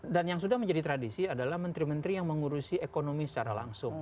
dan yang sudah menjadi tradisi adalah menteri menteri yang mengurusi ekonomi secara langsung